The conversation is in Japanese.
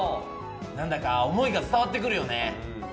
なんだか思いが伝わってくるよね。